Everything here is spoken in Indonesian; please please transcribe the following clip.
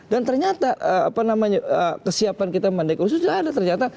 dan ternyata apa namanya kesiapan kita mendekonstruksi sudah ada ternyata